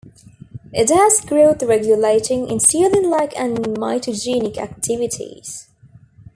It has growth-regulating, insulin-like and mitogenic activities.